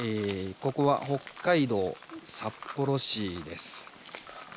ここは北海道札幌市です。